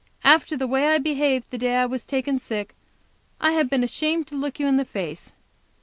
After the way I behaved the day I was taken sick, I have been ashamed to look you in the face.